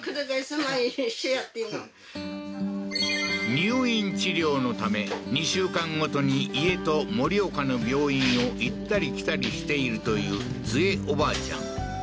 入院治療のため２週間毎に家と盛岡の病院を行ったり来たりしているというツヱおばあちゃん